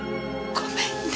ごめんね。